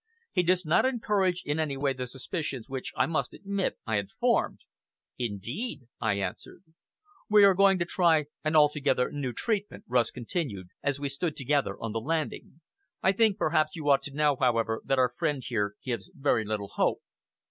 He does not encourage in any way the suspicions which, I must admit, I had formed." "Indeed!" I answered. "We are going to try an altogether new treatment," Rust continued, as we stood together upon the landing. "I think perhaps you ought to know, however, that our friend here gives very little hope."